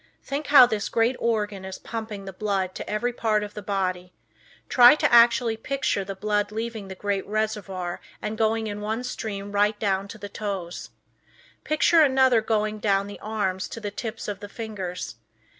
Think how this great organ is pumping the blood to every part of the body; try to actually picture the blood leaving the great reservoir and going in one stream right down to the toes. Picture another going down the arms to the tips of the fingers.